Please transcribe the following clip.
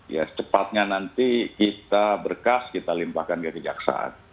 ya secepatnya nanti kita berkas kita limpahkan ke kejaksaan